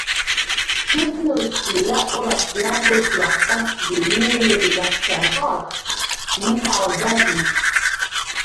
თვეთნჷლდს ი ლა̈კვრას ნა̈ბოზს ლახ კა̈ცხჟი მე̄რე̄მი ლაჩქა̈რ ხა̄გხ, მეჰა̄ვდარ ლი.